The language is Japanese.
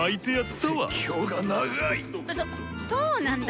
そっそうなんだ。